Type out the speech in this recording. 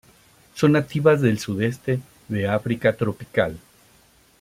Son nativas del sudeste de África tropical.